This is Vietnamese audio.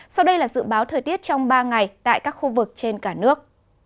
sau đây là dự báo thời tiết trong ba ngày tại các khu vực trên cả nước